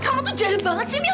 kamu tuh jahil banget sih mil